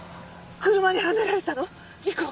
車にはねられたの！？事故？